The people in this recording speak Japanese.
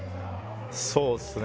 そうっすね